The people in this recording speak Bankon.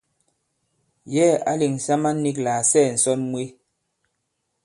Yɛ̌ɛ̀ ǎ lèŋsa man nīk lā à sɛɛ̀ ǹsɔn mwe.